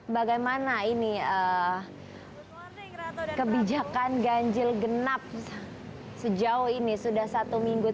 bagaimana ini kebijakan ganjil genap sejauh ini sudah satu minggu